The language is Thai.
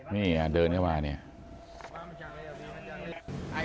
นี่เดินเข้ามาเนี่ย